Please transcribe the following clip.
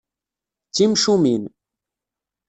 D timcumin.